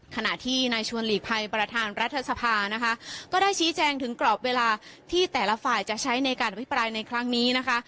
ขณะที่นายชวนหลีกภัยประธานรัฐสภานะคะก็ได้ชี้แจงถึงกรอบเวลาที่แต่ละฝ่ายจะใช้ในการอภิปรายในครั้งนี้นะคะ